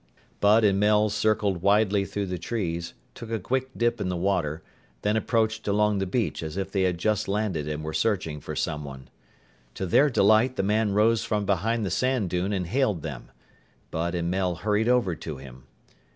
Bud and Mel circled widely through the trees, took a quick dip in the water, then approached along the beach as if they had just landed and were searching for someone. To their delight, the man rose from behind the sand dune and hailed them. Bud and Mel hurried over to him.